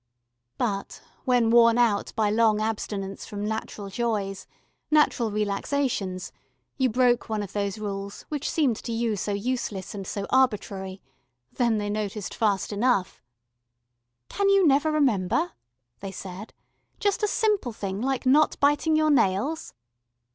But when, worn out by long abstinence from natural joys, natural relaxations, you broke one of those rules which seemed to you so useless and so arbitrary, then they noticed fast enough. [Illustration: THE TAIL OF PUSS.] "Can you never remember," they said, "just a simple thing like not biting your nails?"